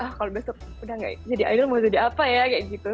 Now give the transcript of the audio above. ah kalau besok udah gak jadi idol mau jadi apa ya kayak gitu